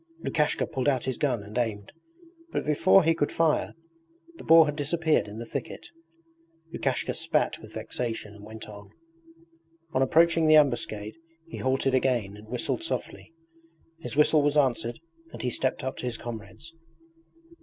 Lukashka pulled out his gun and aimed, but before he could fire the boar had disappeared in the thicket. Lukashka spat with vexation and went on. On approaching the ambuscade he halted again and whistled softly. His whistle was answered and he stepped up to his comrades.